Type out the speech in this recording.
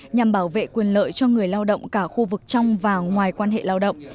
nhằm bảo vệ quyền lợi cho người lao động cả khu vực trong và ngoài quan hệ lao động